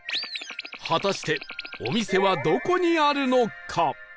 果たしてお店はどこにあるのか？